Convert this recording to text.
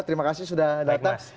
terima kasih sudah datang